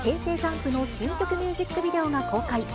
ＪＵＭＰの新曲ミュージックビデオが公開。